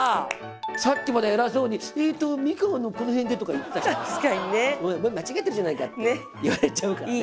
さっきまで偉そうに「えっと三河のこの辺で」とか言ってた人がさお前間違えたじゃないかって言われちゃうからね。